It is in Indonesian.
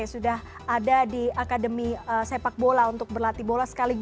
sudah ada di akademi sepak bola untuk berlatih bola